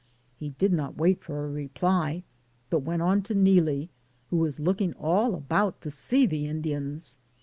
He did not wait for a reply, but went on to Neelie, who was looking all about to see the Indians.